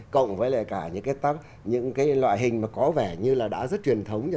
cộng với lại cả những cái loại hình mà có vẻ như là đã rất truyền thống